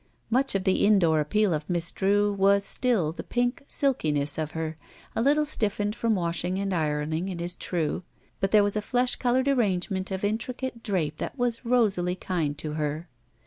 Much of the indoor appeal of Miss Drew was still the pink silki 244 ROULETTE ness of her, a little stiffened from washing and ironing, it is true, but there was a flesh colored arrangement of intricate drape that was rosily kind to her.